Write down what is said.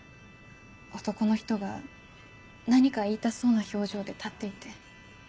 男の人が何か言いたそうな表情で立っていて。